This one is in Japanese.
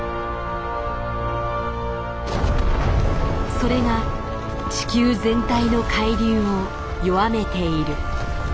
それが地球全体の海流を弱めている。